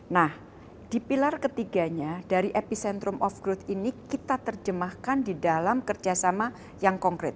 nah di pilar ketiganya dari epicentrum of growth ini kita terjemahkan di dalam kerjasama yang konkret